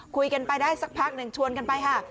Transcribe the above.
คุยกันไปได้สักพักหนึ่งชวนกันไปค่ะ